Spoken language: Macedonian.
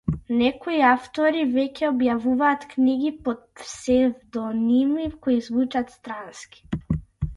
Некои автори веќе објавуваат книги под псевдоними кои звучат странски.